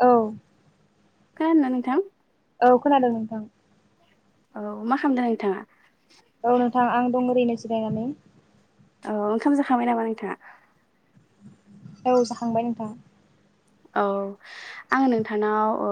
औ खोनादों ना नोंथां? औ खोनादों नोंथां। औ मा खालामदों नोंथाङा? औ नोंथां आं दं ओरैनो जिरायनानै औ ओंखाम जाखाबाय नामा नोंथाङा? औ जाखांबाय नोंथां। औ। आं नोंथांनाव ओ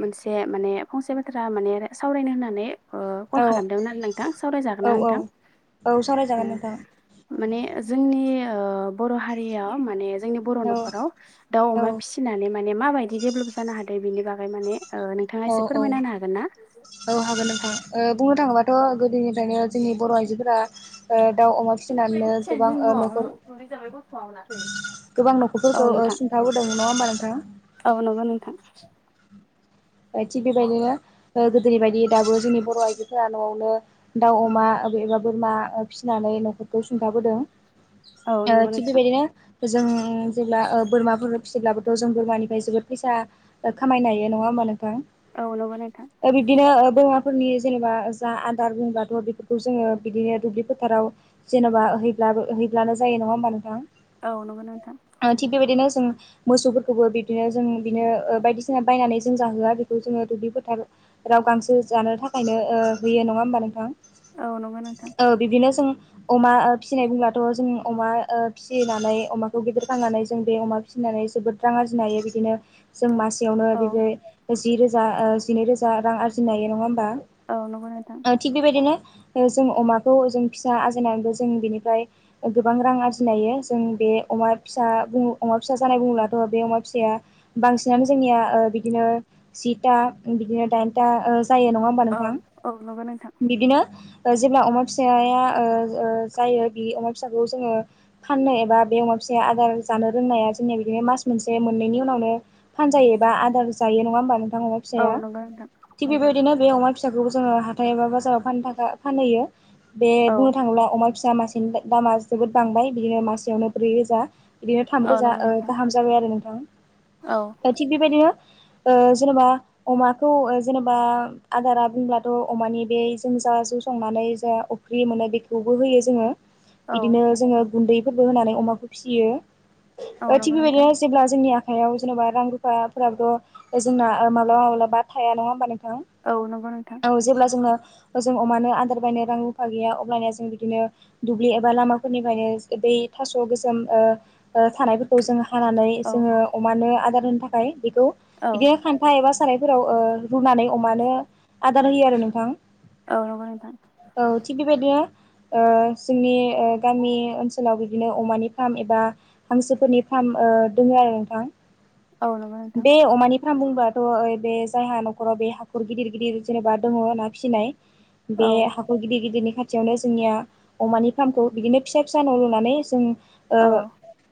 मोनसे माने फंसे बाथ्रा माने सावरायनो होननानै ओ कल औ खालामदोंमोन नोंथां औ सावरायजागोनना औ नोंथां? औ सावरायजागोन नोंथां माने जोंनि ओ बर' हारिया माने जोंनि बर' औ न'खराव दाउ अमा औ फिसिनानै माने माबायदि डेभेलप जानो हादों बेनि बागै माने नोंथाङा औ एसे औ फोरमायना होनो हागोन ना? औ हागोन नोंथां बुंनो थाङोबाथ' गोदोनिफ्रायनो जोंनि बर' आइजोफोरा ओ दाउ ओ अमा फिसिनानैनो गोबां ओ न'खर [unintelligible] गोबां औ न'खरफोरखौ नोंथां सिन्थाबोदोंमोन न औ नंगौ नोंथां थिग बेबायदि नो गोदोनि बायदि दाबो जोंनि बर' आइजोफोरा न'आवनो दाउ अमा एबा बोरमा फिसिनानै न'खरखौ सिन्थाबोदों औ ओ नंगौ थिग नोंथां बेबायदिनो जों जेब्ला बोरमाफोर फिसिब्लाबोथ' जों बोरमानिफ्राय जोबोद फैसा खामायनो हायो नङा होमबा नोंथां? ओ बिदिनो बमाफोरनि जेनेबा जा आदार बुंबाथ' बेफोरखौ जोङो बिदिनो दुब्लि फोथाराव जेनेबा हैब्लाबो हैब्लानो जायो नङा होमबा नोंथां? औ नंगौ नोंथां ओ थिग बेबायदिनो जों मोसौफोरखौबो बिदिनो जों बिदिनो बायदिसिना बायनानै जों जाहोआ आरो गारिखौ जोङो दुब्लि फोथाराव गांसो जानो थाखायनो होयो नङा होमबा नोंथां नंगौ नोंथां नंगौ नोंथां औ बिदिनो जों अमा फिसिनाय बुंब्लाथ' जों अमा ओ फिसिनानै अमाखौ गिदिरखांनानै जों बे अमा फिसिनानै जोबोद रां आरजिनो हायो बिनो जो मास सियावनो औ बि जि रोजा जिनै रोजा रां आरजिनो हायो नङा होमबा औ नंगौ नोंथां औ थिग बेबायदिनो जों अमाखौ जों फिसा आरजिनानैबो जों बेनिफ्राय गोबां रां आरजिनायायो जों बे बे अमा फिसा अमा फिसा जानाय बुङोब्लाथ' बे अमा फिसाया बांसिनानो जोंनिया ओ बिदिनो जिथा बिदिनो दाइनथा जायो नङा होमबा औ नोंथां औ नंगौ नोंथां बिदिनो जेब्ला अमा फिसाया जायो बि अमा फिसाखौ जोङो फाननो एबा बे अमा फिसा आदार जानो रोंनाया बिदिनो मास मोनसे मोननैनि उनावनो फानजायो एबा आदार जायो नङा होमबा नोंथां अमा औ फिसाया नंगौ नोंथां थिग नंगौ बेबायदिनो बे अमा फिसाखौबो जोङो हाथाय एबा बाजाराव फानहैयो बे औ बुंनो थाङोब्ला अमा फिसा मासेनि दामा जोबोद बांबाय बिदिनो मासेयावनो ब्रै रोजा बिदिनो थाम औ रोजा नंगौ नोंथां गाहाम जाबाय आरो नोंथां औ दा थिग बेबायदिनो ओ जेनेबा अमाखौ जेनेबा आदारा बुंब्लाथ' अमानि बे जों जा संनानै जा अफि् मोनो बेखौबो होयो जोङो औ बिदिनो जोङो गुन्दैफोरबो होनानै अमाखौ फियो औ ओ नंगौ थिग नोंथां बेबायदिनो जेब्ला जोंनि आखायाव जेनेबा रां रुफाफोराबथ' जोंना माब्लाबा माब्लाबा थाया नङा होमबा नोंथां औ नंगौ नोंथां औ जेब्ला जोंङो जों अमानो आदार बायनो रां रुफा गैया अबानया जों बिदिनो दुब्लि एबा लामाफोरनि बायनो दै थास' गोजोम थानायफोरखौ जोंङो हानानै औ जोङो अमानो आदार होनो थाखाय बेखौ औ बिदिनो खान्था एबा सारायफोराव रुनानै अमानो आदार होयो आरो नोंथां ओ नोंगौ नोंथां औ थिग बेबायदिनो ओ जोंनि ओ गामि ओनसोलाव बिदिनो अमानि फार्म एबा हांसोफोरनि फार्म ओ दङ आरो नोंथां ओ नोंगौ नोंथां होना बुंबाथ' बे जायहा न'खराव बे हाखर गिदिर गिदिर जेनेबा दङ ना फिसिनाय बे औ हाखर गिदिर गिदिर खाथियावनो जोंनिया अमानि फार्मखौ बिदिनो फिसा फिसा न' लुनानै जों औ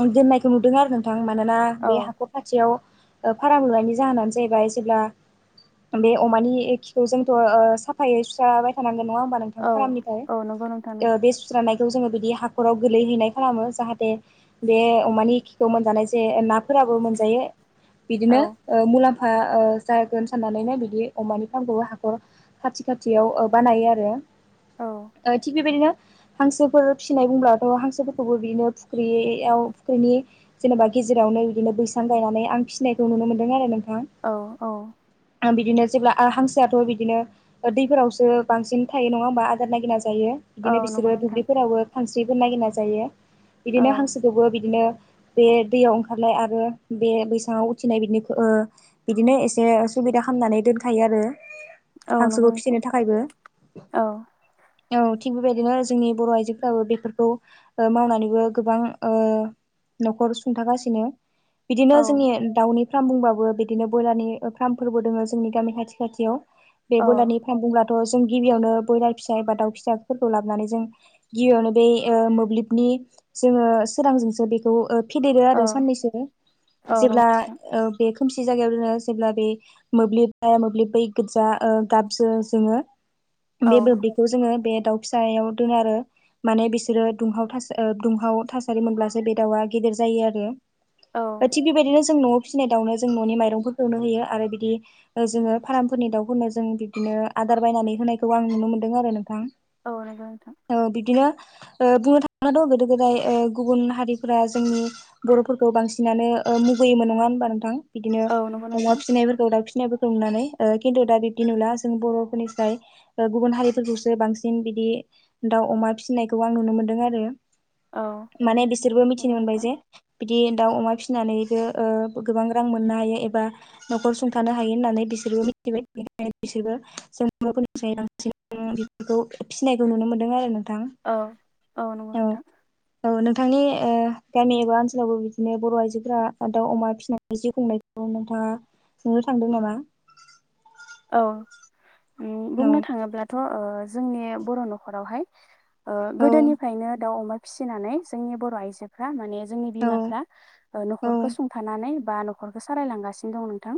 ओ दोननायखौ नुदों आरो नोंथां मानोना औ बे हाखर खाथियाव भारा लुनायनि जाहोनानो जाहैबाय जेब्ला बे अमानि खिखौ जोंथ' साफायै सुसाराबाय थानांगोन नङा होनबा नोंथां औ फारामनिफ्राय औ नंगौ नोंथां ओ बे सुस्रानाय जोङो बिदि हाखराव गोलैह हैनाय खालामो जाहाथे बे अमानि खिखौ मोनजानाय जे नाफोरा जाबो मोनजायो औ बिदिनो मुलाम्फा जागोन साननानैनो बिदि अमानि फार्मखौबो हाखर खाथि खाथियाव बानायो आरो औ थिग बेबायदिनो हांसोफोर फिसिनाय बुंब्लाथ' हांसोफोरखौबो बिदिनो फुख्रियाव फुख्रिनि जेनेबा गेजेरावनो बिदिनो बैसां गायनानै आं फिसिनायखौ नुनो मोनदों। औ-औ। आ बिदिनो जेब्ला आ हांसोआथ' बिदिनो दैफोरावसो बांसिन थायो नङा होमबा आदार नागिरना जायो औ बिदिनो नंगौ बिसोरो नोंथां दुब्लिफोरावो खांस्रिफोर नागिरना जायो औ बिदिनो हांसोखौबो बिदिनो बे दैयाव ओंखारलाय आरो बे बैसाङाव उथिनाय बिनिख ओ बिदिनो एसे सुबिदा खामनानै दोनखायो आरो औ नंगौ हांसोखौ नोंथां फिसिनो थाखायबो। औ औ थिग बेबायदिनो जोंनि बर' आइजोफ्राबो बेफोरखौ मावनानैबो गोबां ओ न'खर सुंथागासिनो बिदिनो औ जोंनि दाउनि फ्रार्म बुंबाबो बिदिनो ब्रयलारनि ओ फ्रार्म फोरबो दोङो जोंनि गामि खाथि खाथियाव बे औ ब्रयलारनि फ्रार्म बुंब्ला थ' जों गिबियावनो ब्रयलार फिसा एबा दाउ फिसाफोरखौ लाबोनानै जों गिबियावनो बेै ए मोब्लिबनि जोङो सोरांजोंसो बेखौ ओ फेदेरो आरो साननैसो औ नंगौ जेब्ला ओ बे खोमसि जायगायाव जोङो जेब्ला बे मोब्लिब मोब्लिब बै गोजा गाबजो जोङो [unintelligible] औ बे मोब्लिबखौ जोङो बे दाउ फिसायाव दोनो आरो माने बिसोरो दुंहाव दासा ओ दुंहाव थासारि मोनब्लासो बे दाउआ गिदी र जायो आरो औ थिग बेबायदिनो जों न'आव फिसिनाय दाउनो जों न'नि माइरंफोरखौनो होयो आरो बिदि जोङो फार्मफोरनि दाउफोरनो जों बिदिनो आ दार बायनानै होनायखौ आं नुनो मोन्दों आरो नोंथां औ नंगौ नोंथां। ओ बिब्दिनो ओ बुंनो थाङोबा गोदो-गोदाय गुबुन हारिफोरा जोंनि बर'फोरखौ बांसिनानो ओ मुगैयोमोन नङा होनबा नोंथां बिदिनो औ नंगौ अमा नोंथां फिसिनायफोरखौ दाव फि सिनायफोरखौ नुनानै ओ किन्तु दा बिब्दि नुला जों बर'फोरनिफ्राय गुबुन हारिफोरखौसो बांसिन बि बिदि दाउ, अमा फिसिनायखौ आं नुनो मोन्दों आरो औ माने बिसोरबो नंगौ मिथिनो मोनबाय जे नोंथां बिदि दाउ, अमा फिसिनानैबो ओ गोबां रां मोननो हायो एबा न'खर सुंथानो हायो होननानै बिसोरबो मिथिबाय बिसोरबो जों बर' फोरनिफ्राय बांसिन बेफोरखौ फिसिनायखौ नुनो मोनदों आरो नों औ - औ नंगौ नोंथां। औ नोंथांनि ओ गामि एबा ओनसोलावबो बिदिनो बर' आइजोफोरा दाउ-अमा फिसिनानै जिउ खुंनायखौ नोंथांङा फुनो थांदों नामा? औ उम औ बुंनो थाङोब्लाथ' ओ जोंनि बर' नख'रावहाय ओ औ गोदोनिफ्रायनो दाउ-अमा फिसिनानै जोंनि बर' आइजोफोरा माने जोंनि औ बिमाफ्रा ओ औ नखरखौ सुंथानानै बा नखरखौ सालायलांगासिनो दं नोंथां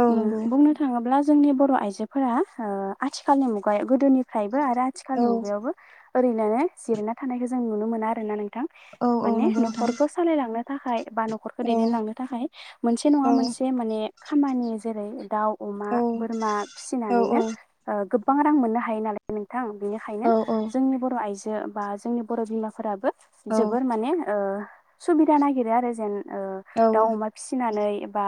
औ उम नंगौ बुंनो थाङोब्ला जोंनि बर'आइजोफोरा ओ आथिखालनि मुगायाव गोदोनिफ्रायबो आरो औ आथिखालनि मुगायावबो ओरैनोनो जिरायना थानायखौ जों नुनो मोना आरो ना नोंथां। औ औ माने नंगौ नोंथां नखरखौ सालायलांनो थाखाय बा नखरखौ औ दैदेनलांनो थाखाय मोनसे नङा औ मोनसे माने खामानि जेरै दाउ औ मा औ फिसिनानैनो औ ओ गोबां रां मोननो हायो नालाय नों थां बिनिखायनो औ औ जोंनि बर' आइजो बा जोंनि बर' बिमाफोराबो औ जोबोर माने ओ सुबिदा नागिरो आरो जेन ओ औ दाउ अमा फिसिनानै एबा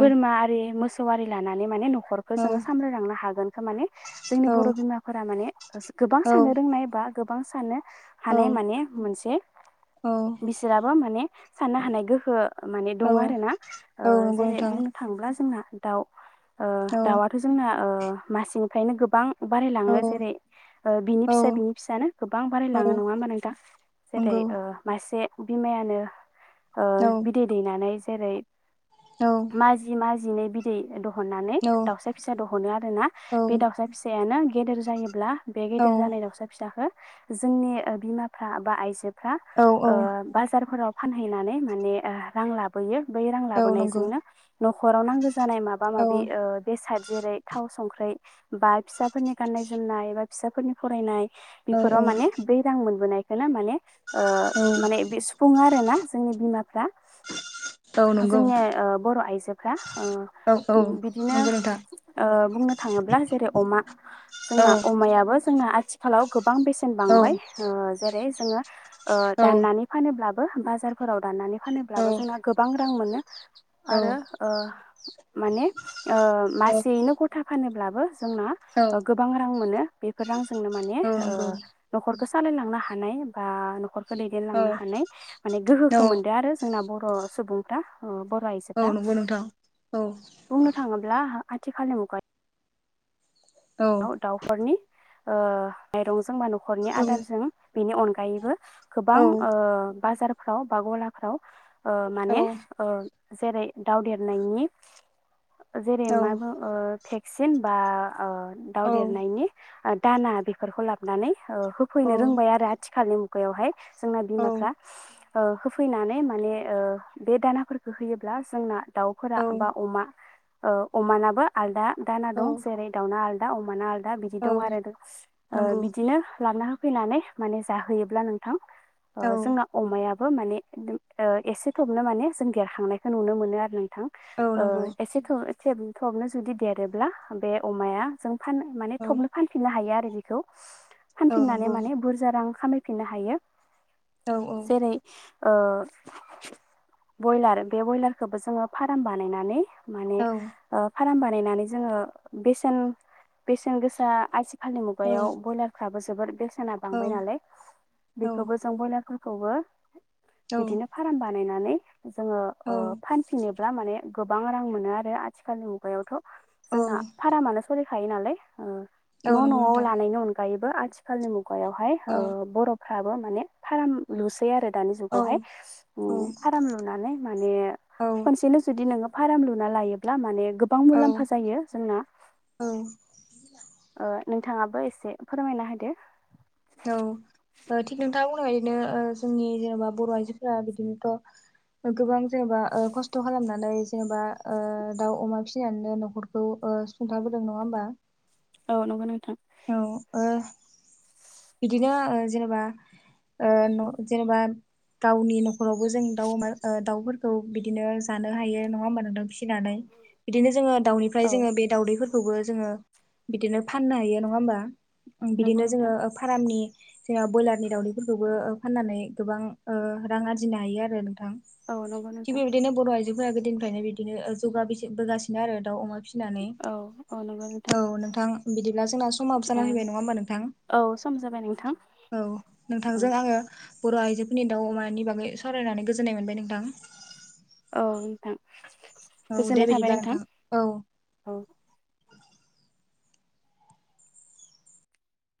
बोरमा आरि मोसौ आरी लानानै माने नखरखौ औ जोङो सामलायलांनो हागोन। माने जोंनि बर' बिमाफोरा माने ओ गोबां साननो औ रोंनाय बा गोबां सान्नो हानाय माने मोनसे बिसोरहाबो माने साननो हानाय गोहो माने दं आरो ना औ ओ नंगौ जेरै नोंथां बुंनो थांब्ला जोंना दाउ ओ औ दावआथ' जोंना मासेनिफ्रायनो गोबां औ बारायलांङो जेरै ओ बिनि औ फिसा बिनि फिसानो गोबां औ बारायलाङो नङा होमबा नोंथां जेरै नंगौ मासे बिमायानो ओ औ बिदै दैनानै जेरै औ माजि-माजि जिनै बिदै दहननानै औ दाउसा फिसा दहनो आरो ना बे दाउसा फिसायानो गेदेर जायोब्ला बे औ गेदेर जानाय दाउसा फिसाखो जोंनि ओ बिमाफ्रा बा आइजो फ्रा औ ओ औ बाजारफोराव फानहैनानै माने ओ रां लाबोयो। बै रां औ नंगौ लाबोनायजोंनो न'खराव नांगो जानाय माबा औ माबि ओ बे साइद जेरै थाव संख्रै बा फिसाफोरनि गाननाय - जोमनाय बा फिसाफोरनि फरायनाय औ बेफोराव माने बै रां मोनबोनायखोनो माने ओ औ माने बे सुफुङो आरोना जोंनि बिमाफ्रा। औ नंगौ जोंनि ओ बर' आइजोफ्रा ओ औ औ बिदिनो नंगौ नोंथां ओ बुंनो थाङो ङोब्ला जेरै अमा औ जोंना अमायाबो जोंनो आथ आथिखालाव गोबां बेसेन औ बांबाय ओ जेरै जोङो ओ औ दाननानै फानोब्लाब बो बाजारफोराव दाननानै औ फानोब्लाबो जोंना गोबां रां मोनो औ आरो ओ माने ओ औ मासेयैनो गथा फानोब्लाबो जोंना औ ओ गोबां रां मोनो। बेफोर रांजोंनो माने औ ओ नंगौ न'खरखो सालायलांनो हानाय बा न'खर औ दैदेनलांनो हानाय माने औ गोहोखो मोनदो आरो जोंना बर' सुबुंफ्रा ओ बर' औ आइजोफ्रा नंगौ नोंथां औ बुंनो थाङोब्ला आथिखालनि मुगा औ याव दाउफोरनि ओ माइरंजों बा न'खरनि औ आदारजों बेनि अनगायैबो औ गोबां ओ बाजारफ्राव बा गलाफ्राव ओ माने ओ जेरै दाउ देरनायनि जेरै औ मा बुङो ओ भेक्सिन बा ओ दाउ औ देरनायनि दाना बेफोरखौ लाबोनानै ओ होफैनो औ रोंबाय आरो आथिखालनि मुगायावहाय जोंना बिमाफ्रा ओ होफैनानै माने ओ बे दानाफोरखौ होयोब्ला जोंना दाउफोरा बा अमा ओ अमानाबो आलदा दाना दं जेरै दाउना आल दा अमाना आलदा बिदि दं आरो ओ नंगौ बिदिनो लाबना हो फैनानै माने जाहैयोब्ला नोंथां ओ औ जोंना अमायाब बो माने ओ एसे थबनो माने जों देरखांनायखौ नुनो मोनो आरो नों थां औ ओ नंगौ एसे थब थेब थबनो जुदि देरोब्ला बे अमाया जों फान माने औ थबनो फानफिननो हायो आरो बिखौ औ फानफिननानै नंगौ माने बुरजा रां खामायफिननो हायो औ औ जेरै ओ बयलार बे बयलारखोबो जोङो फाराम बानायनानै माने औ ओ फाराम बानायनानै जोङो बेसेन बेसेन गोसा आथि फालनि मुगायाव बयलारफ्राबो जोबोद बेसेना बांबाय नालाय बेखौबो खौबो बिदिनो फाराम बानायनानै जोङो औ ओ फानफिनो ब्ला माने गोबां रां मोनो आरो आथिखालनि मुगायावथ' जोंना फारामानोस खुलिखायो नालाय ओ औ न' नंगौ न'आव नोंथां लानायनि अनगायैबो आथिखालनि मुग गायावहाय औ ओ बर'फ्राबो माने फाराम लुसै आरो दानि औ जुगावहाय औ उम फाराम लुनानै माने औ खनसेनो जुदि नोङो फाराम लुना लायोब्ला माने गोबां मुलाम्फा औ जायो जोंना औ ओ नोंथाङाबो एसे फोरमायना होदो। औ ओ थिग नोंथां उनावयैनो ओ जोंनि जेनेबा बर' आइजोफोरा बिदिनोथ' गोबां जेनेबा ओ खस्थ' खालामना नै जेनेबा ओ दाउ, अमा फिसिनानैनो न'खरखौ सुंथाबोदों नङा होमबा? औ नंगौ नोंथां। औ ओ बिदिनो आरो जेनेबा ओ न' जेनेबा गावनि न'खरावबो जों दाउ, अमा ओ दाउफोरखौ बिदिनो जानो हायो नंङा होमबा नोंदां फिस नानै बिदिनो जोङो दाउनिफ्राय औ जोङो बे दाउदैफोर खौबो जोङो बिदिनो फाननो हायो नङा होमबा? नंगौ बिदिनो जोङो नोंथां ओ दामनि जेना बयलारनि दाउदैफोरखौबो ओ फाननानै गोबां ओ रां आरजिनो हायो आरो नोंथां। औ नंगौ नोंथां। जोंङो गोदोनिफ्रायनो बिदिनो ओ जौगा बोसि बोगासिनो आरो दाउ, अमा फिनानै औ औ नंगौ नोंथां औ नोंथां बिदिब्ला जोंना समा ओ जाना फैबाय नङा होमबा नोंथां? औ सम जाबाय नोंथां औ औ नोंथांजों आङो बर' आइजोफोरनि दाउ, अमानि बागै सावरायनानै गोजोननाय मोनबाय नोंथां। औ नोंथां औ दे गोजोननाय थाबाय बिदिब्ला नोंथां औ। औ ।